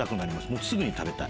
もうすぐに食べたい。